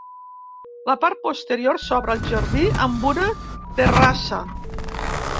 La part posterior s'obre al jardí amb una terrassa.